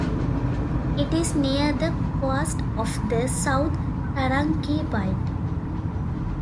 It is near the coast of the South Taranaki Bight.